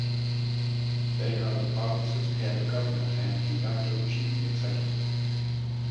They are the province's head of government and "de facto" chief executive.